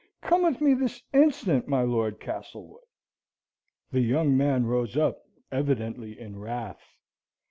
Come with me this instant, my Lord Castlewood." The young man rose up, evidently in wrath.